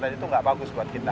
dan itu nggak bagus buat kita